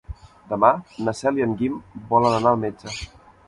Demà na Cel i en Guim volen anar al metge.